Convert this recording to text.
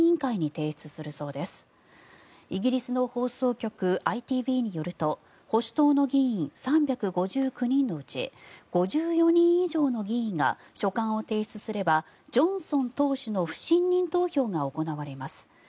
イギリスの放送局ＩＴＶによると保守党の議員３５９人のうち５４人以上の議員が書簡を提出すればジョンソン党首の不信任投票が行われます。